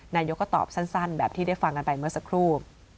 นายกก็ตอบสั้นแบบที่ได้ฟังกันไปเมื่อสักครู่